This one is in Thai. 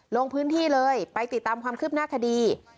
ลงพื้นที่เลยไปติดตามความคืบหน้าคดี